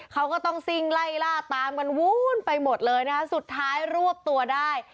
เขาก็ต้องซิ่งไล่ล่าตามกันวู้นไปหมดเลยนะคะสุดท้ายรวบตัวได้